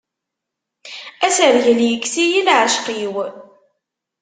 Asergel yekkes-iyi leɛceq-iw.